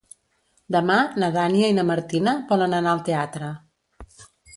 Demà na Nàdia i na Martina volen anar al teatre.